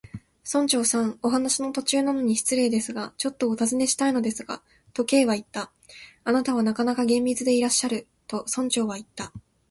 「村長さん、お話の途中なのに失礼ですが、ちょっとおたずねしたいのですが」と、Ｋ はいった。「あなたはなかなか厳密でいらっしゃる」と、村長はいった。